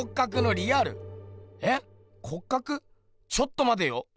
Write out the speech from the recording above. ちょっとまてよ。